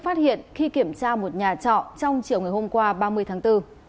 phát hiện khi kiểm tra một nhà trọ trong chiều ngày hôm qua ba mươi tháng bốn